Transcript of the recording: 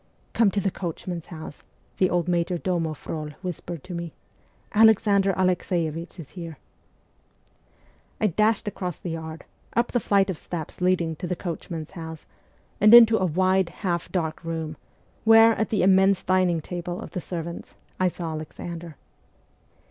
' Come to the coachmen's house,' the old major domo Frol whispered to me. ' Alexander Alexeievich is here.' I dashed across the yard, up the flight of steps leading to the coachmen's house, and into a wide, half dark room, where, at the immense dining table of the servants, I saw Alexander.